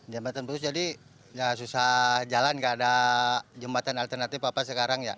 jembatan putus jadi susah jalan gak ada jembatan alternatif apa sekarang ya